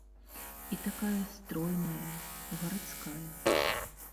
І такая стройная, гарадская.